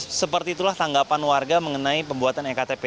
ya seperti itulah tanggapan warga mengenai pembuatan ektp